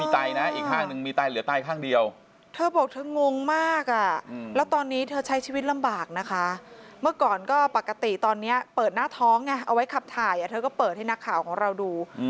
ทางหน้าท้องเอาไว้ขับถ่ายเธอก็เปิดให้นักข่าวของเราดู